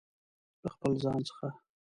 له خپل ځانه څخه